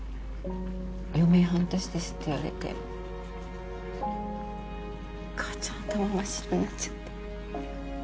「余命半年です」って言われて母ちゃん頭真っ白になっちゃって。